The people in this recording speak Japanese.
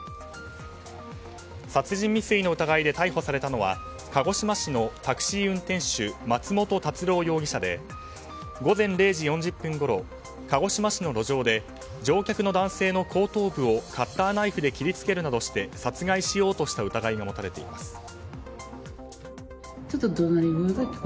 殺人未遂の疑いで逮捕されたのは鹿児島市のタクシー運転手松元辰郎容疑者で午前０時４０分ごろ鹿児島市の路上で乗客の男性の後頭部をカッターナイフで切りつけるなどして殺害しようとした疑いが持たれています。